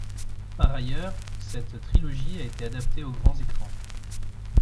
Par ailleurs, cette trilogie a été adaptée aux grands écrans.